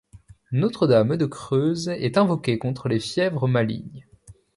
Notre-Dame de Creuse est invoquée contre les fièvres malignes.